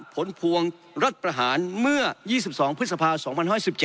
ผลพวงรัฐประหารเมื่อ๒๒พฤษภา๒๐๑๗